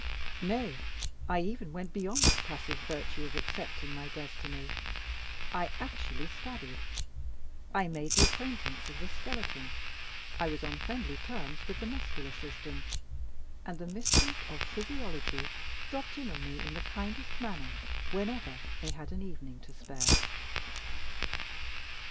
Nay, I even went beyond the passive virtue of accepting my destiny I actually studied, I made the acquaintance of the skeleton, I was on friendly terms with the muscular system, and the mysteries of Physiology dropped in on me in the kindest manner whenever they had an evening to spare.